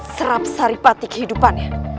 serap saripati kehidupannya